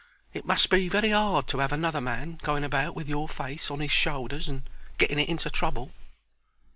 It must be very 'ard to have another man going about with your face on 'is shoulders, and getting it into trouble.